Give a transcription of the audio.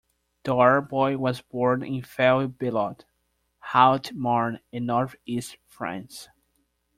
Darboy was born in Fayl-Billot, Haute-Marne in north-east France.